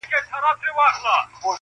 کنې پاته یې له ډلي د سیلانو,